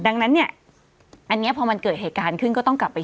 ดังนั้นเนี่ยอันนี้พอมันเกิดเหตุการณ์ขึ้นก็ต้องกลับไป